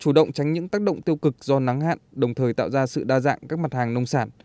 chủ động tránh những tác động tiêu cực do nắng hạn đồng thời tạo ra sự đa dạng các mặt hàng nông sản